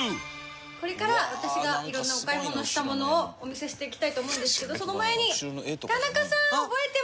これから私がいろんなお買い物したものをお見せしていきたいと思うんですけどその前に。